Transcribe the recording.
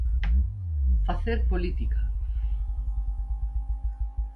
Facer política.